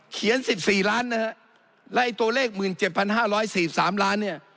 เขียน๑๔ล้านนะครับแล้วตัวเลข๑๗๕๔๓ล้านเนี่ย